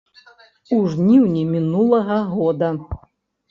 У жніўні мінулага года!